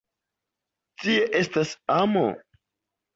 Tie estas amo!